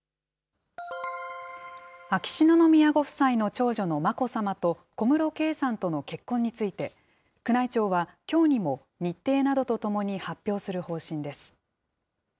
秋篠宮ご夫妻の長女の眞子さまと小室圭さんとの結婚について、宮内庁はきょうにも日程などとともに発表する方針です。